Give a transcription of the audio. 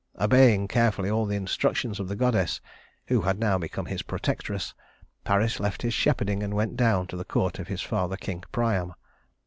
Obeying carefully all the instructions of the goddess, who had now become his protectress, Paris left his shepherding and went down to the court of his father, King Priam.